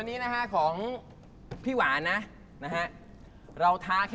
เออน่ารัก